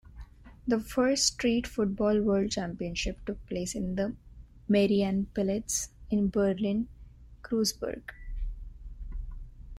The first Street Football World Championship took place in the Mariannenplatz in Berlin-Kreuzberg.